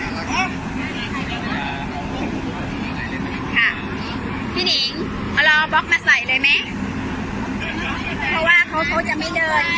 ค่ะพี่หนิงมารอบล็อกมาใส่เลยไหมเพราะว่าเขาเขาจะไม่เดิน